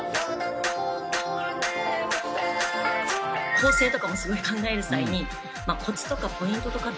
構成とかもすごい考える際にコツとかポイントとかって。